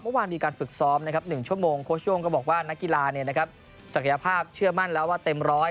เมื่อวานมีการฝึกซ้อมนะครับ๑ชั่วโมงโค้ชโย่งก็บอกว่านักกีฬาศักยภาพเชื่อมั่นแล้วว่าเต็มร้อย